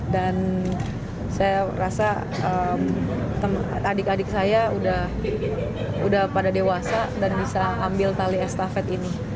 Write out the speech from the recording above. dan saya rasa adik adik saya sudah pada dewasa dan bisa ambil tali estafet ini